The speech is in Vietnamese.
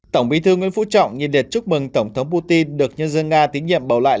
tổng bí thư nguyễn phú trọng nhiệt liệt chúc mừng tổng thống putin được nhân dân nga tín nhiệm bầu lại